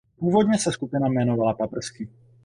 Původně se skupina jmenovala Paprsky.